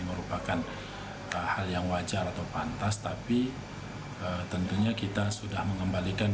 merupakan hal yang wajar atau pantas tapi tentunya kita sudah mengembalikan